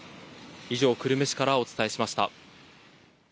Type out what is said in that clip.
以上、久留米市からお伝えしました。